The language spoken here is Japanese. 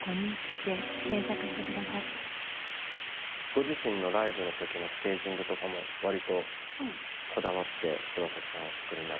ご自身のライブのときのステージングとかもわりとこだわって柴咲さんおつくりになるじゃないですか。